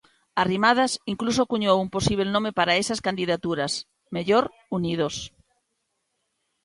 Arrimadas incluso acuñou un posíbel nome para esas candidaturas: "Mellor Unidos".